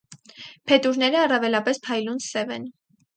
Փետուրները առավելապես փայլուն սև են։